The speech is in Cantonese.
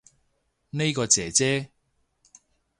呢個姐姐